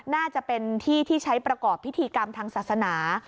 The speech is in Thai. น่าจะเป็นที่ที่ใช้ประกอบพิธีกรรมทางศาสนา